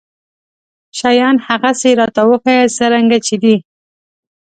شيان هغسې راته وښايه څرنګه چې دي.